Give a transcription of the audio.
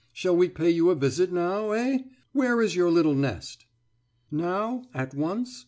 Shall we pay you a visit, now, eh? Where is your little nest?« »Now at once?